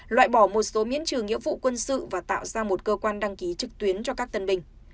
loại bỏ một số miễn trừ nghĩa vụ quân sự và tạo ra một cơ quan đăng ký trực tuyến cho các tân binh